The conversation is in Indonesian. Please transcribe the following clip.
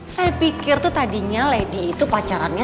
saya pikir itu tadinya lady itu pacarannya